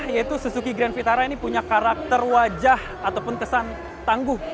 yaitu suzuki grand vitara ini punya karakter wajah ataupun kesan tangguh